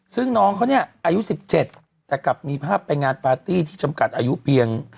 ซึ่งน้องเขาเนี่ยอายุ๑๗แต่กลับมีภาพไปงานปาร์ตี้ที่จำกัดอายุเพียง